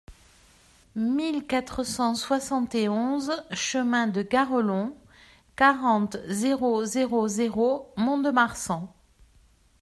mille quatre cent soixante et onze chemin de Garrelon, quarante, zéro zéro zéro, Mont-de-Marsan